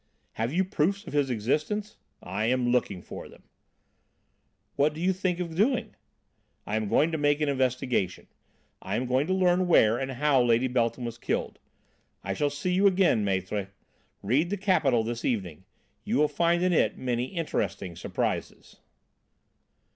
"Have you proofs of his existence?" "I am looking for them." "What do you think of doing?" "I am going to make an investigation. I am going to learn where and how Lady Beltham was killed. I shall see you again, Maître. Read The Capital this evening. You will find in it many interesting surprises."